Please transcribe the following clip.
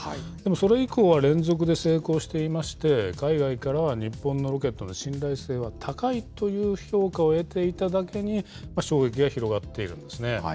それ以降は連続で成功していまして、海外からは日本のロケットの信頼性は高いという評価を得ていただけに、衝撃が広がっているんですね。